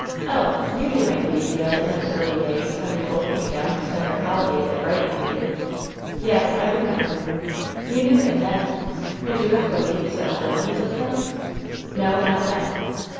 "Elf ! You knew Anglesea in those early days when we both came down to spend our holidays at Brighton with you." "Yes ; I remember." "You knew him then. Could you have believed such villainies of him ?" "No, not then."